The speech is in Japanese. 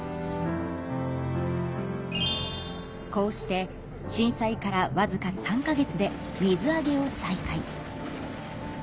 こうして震災からわずか３か月で水揚げを再開。